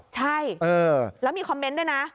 ใช่แล้วมีคอมเมนต์ด้วยนะ